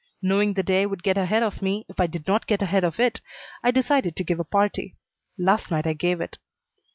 Knowing the day would get ahead of me if I did not get ahead of it, I decided to give a party. Last night I gave it.